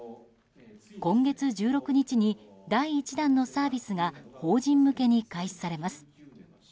今月１６日に第１弾のサービスが法人向けに開始されます。